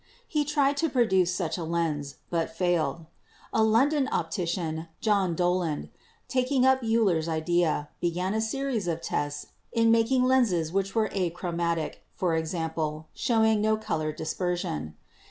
He tried to produce such a lens, but failed. A London optician, John Dolland, taking up Euler's idea, began a series of tests in making lenses which were achromatic — i.e., showing no color dispersion.